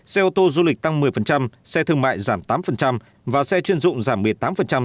xe ô tô du lịch tăng một mươi xe thương mại giảm tám và xe chuyên dụng giảm một mươi tám